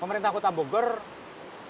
pemerintah kota juga harus menyambung